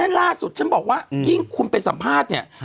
ล่าสุดฉันบอกว่ายิ่งคุณไปสัมภาษณ์เนี่ย